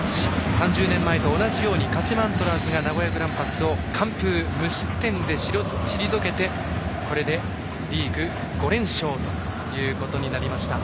３０年前と同じように鹿島アントラーズが名古屋グランパスを完封、無失点で退けてこれでリーグ５連勝ということになりました。